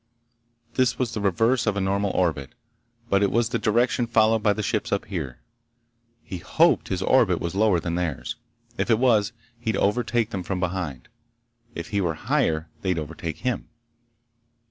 This was the reverse of a normal orbit, but it was the direction followed by the ships up here. He hoped his orbit was lower than theirs. If it was, he'd overtake them from behind. If he were higher, they'd overtake him.